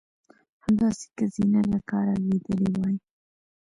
همداسې که زینه له کاره لوېدلې وای.